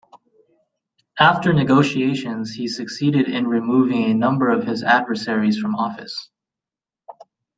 After negotiations he succeeded in removing a number of his adversaries from office.